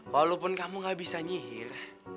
walaupun kamu gak bisa nyihir